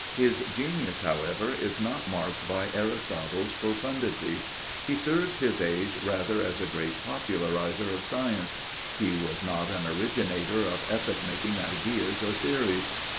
His genius, however, is not marked by Aristotle's profundity. He served his age rather as a great popularizer of science; he was not an originator of epoch making ideas or theories.